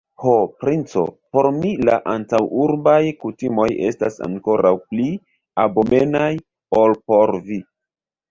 Ho, princo, por mi la antaŭurbaj kutimoj estas ankoraŭ pli abomenaj, ol por vi!